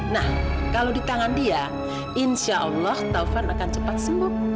nah kalau di tangan dia insya allah taufan akan cepat sembuh